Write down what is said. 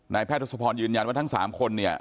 แพทย์ทศพรยืนยันว่าทั้ง๓คนเนี่ย